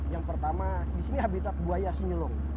yang pertama di sini habitat buaya senyulung